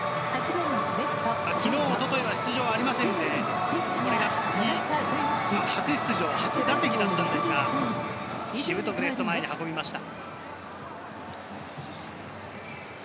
昨日、一昨日は出場がありませんで、これが復帰初出場初打席だったのですが、レフト前に運びました。